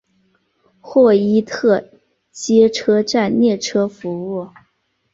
霍伊特街车站列车服务。